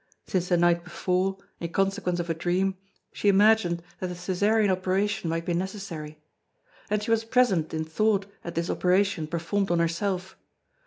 Since the night before, in consequence of a dream, she imagined that the Cæsarian operation might be necessary. And she was present in thought at this operation performed on herself.